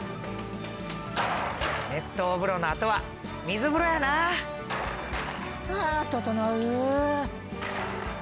熱湯風呂のあとは水風呂やな！はあ整う！